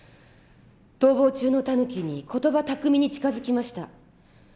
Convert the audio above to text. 逃亡中のタヌキに言葉巧みに近づきました。